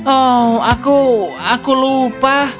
oh aku aku lupa